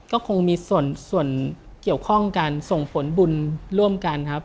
ก็คงมีส่วนเกี่ยวข้องกันส่งผลบุญร่วมกันครับ